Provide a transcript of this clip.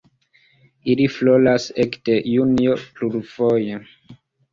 Ili floras ekde junio plurfoje.